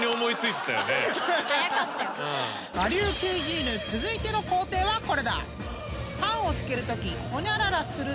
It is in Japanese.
［我流キュイジーヌ続いての工程はこれだ！］